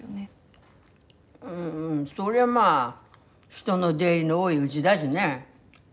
うんそりゃまあ人の出入りの多いうぢだしね。